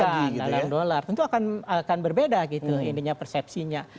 kembalikan ke dollar tentu akan berbeda gitu intinya persepsinya